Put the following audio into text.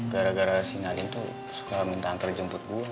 gara gara si nadine tuh suka minta antar jemput gue